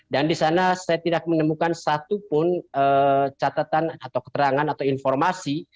dan di sana saya tidak menemukan satupun catatan atau keterangan atau informasi